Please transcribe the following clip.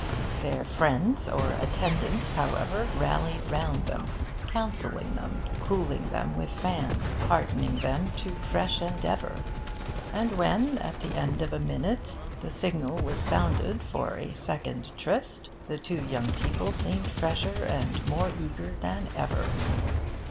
Their friends or attendants, however, rallied round them, counselling them, cooling them with fans, heartening them to fresh endeavour; and when, at the end of a minute, the signal was sounded for a second tryst, the two young people seemed fresher and more eager than ever.